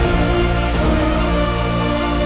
kira kira tidak ada itu